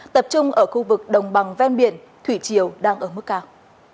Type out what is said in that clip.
tập trung ở khu vực đồng bằng ven biển thủy triều đang ở mức cao